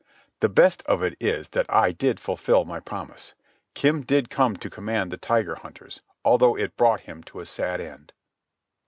The best of it is that I did fulfil my promise. Kim did come to command the Tiger Hunters, although it brought him to a sad end.